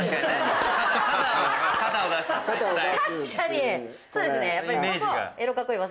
確かに！